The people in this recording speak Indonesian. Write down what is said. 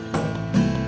saya aku bener